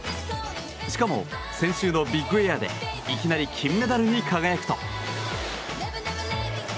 しかも、先週のビッグエアでいきなり金メダルに輝くと。